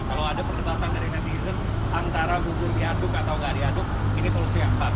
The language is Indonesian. kalau ada perdebatan dari netizen antara bubur diaduk atau nggak diaduk ini solusi yang pas